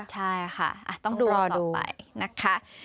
ใช่ค่ะต้องรอดูต่อไปนะคะ